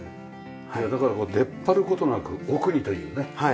だから出っ張る事なく奥にというね。